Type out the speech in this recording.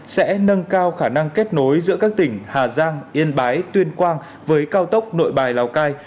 sẽ nâng cao khả năng kết nối giữa các tỉnh hà giang yên bái tuyên quang với cao tốc nội bài lào cai